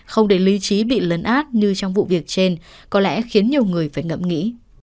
không để lý trí bị lấn át như trong vụ việc trên có lẽ khiến nhiều người phải ngậm nghĩ